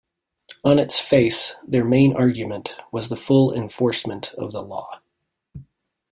On its face, their main argument was the full enforcement of the law.